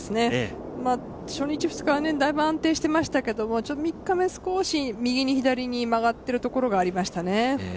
初日、２日はだいぶ安定してましたけど３日目少し右に、左に曲がっているところがありましたね。